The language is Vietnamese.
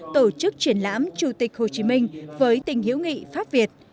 tổ chức triển lãm chủ tịch hồ chí minh với tình hữu nghị pháp việt